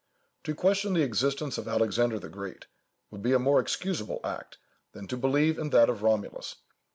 To question the existence of Alexander the Great, would be a more excusable act, than to believe in that of Romulus.